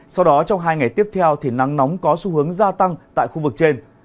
sau đó trong hai ngày tiếp theo thì nắng nóng có xu hướng gia tăng tại khu vực trên